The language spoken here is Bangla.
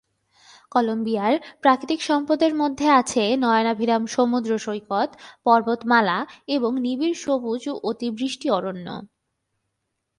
কলম্বিয়ার প্রাকৃতিক সম্পদের মধ্যে আছে নয়নাভিরাম সমুদ্র সৈকত, পর্বতমালা এবং নিবিড় সবুজ অতিবৃষ্টি অরণ্য।